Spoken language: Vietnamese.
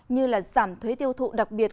như là giảm thuế tiêu thụ đặc biệt